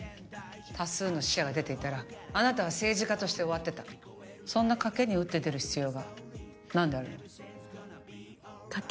多数の死者が出ていたらあなたは政治家として終わってたそんな賭けに打って出る必要が何であるの？